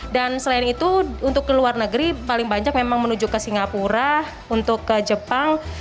dan selain itu untuk ke luar negeri paling banyak memang menuju ke singapura untuk ke jepang